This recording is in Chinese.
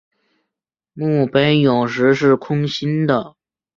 墓碑有时是空心的。